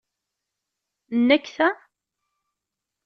Nnek ta?